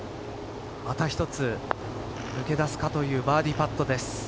また１つ抜け出すかというバーディーパットです。